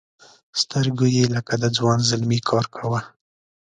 سترګو یې لکه د ځوان زلمي کار کاوه.